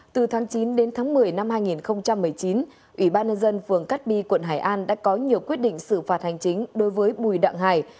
từ tháng chín đến tháng một mươi năm hai nghìn một mươi chín ủy ban nhân dân phường cát bi quận hải an đã có nhiều quyết định xử phạt hành chính đối với bùi đặng hải